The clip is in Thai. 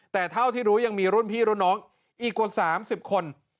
แต่เท่าที่รู้ยังมีรุ่นพี่รุ่นน้องอีกกว่า๓๐คน